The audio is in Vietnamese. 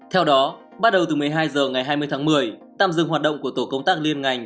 theo đó bắt đầu từ một mươi hai h ngày hai mươi tháng một mươi tạm dừng hoạt động của tổ công tác liên ngành